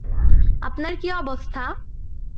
আপনার কী অবস্থা?